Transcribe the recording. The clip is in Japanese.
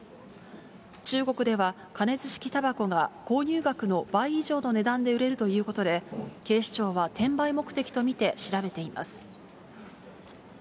中国では過熱式たばこが購入額の倍以上の値段で売れるということで、警視庁は転売目的と見て調べています。